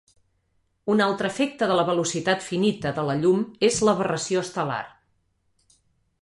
Un altre efecte de la velocitat finita de la llum és l'aberració estel·lar.